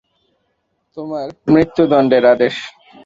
তোমার মৃত্যুদণ্ডের আদেশ।